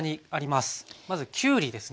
まずきゅうりですね。